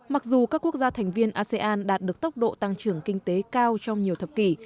mặc dù các quốc gia thành viên asean đạt được tốc độ tăng trưởng kinh tế cao trong nhiều thập kỷ